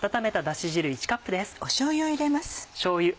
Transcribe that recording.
しょうゆを入れます。